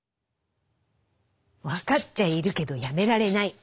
分かっちゃいるけどやめられない。